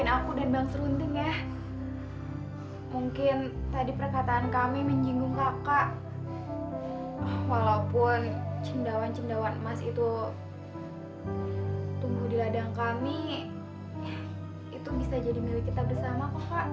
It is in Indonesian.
itu bisa jadi milik kita bersama kok pak